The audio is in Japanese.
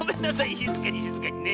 しずかにしずかにね。